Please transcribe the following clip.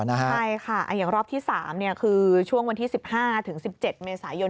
ใช่ค่ะอย่างรอบที่๓คือช่วงวันที่๑๕๑๗เมษายน